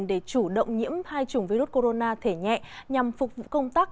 để chủ động nhiễm hai chủng virus corona thể nhẹ nhằm phục vụ công tác